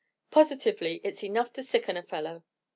Positively it's enough to sicken a fellow.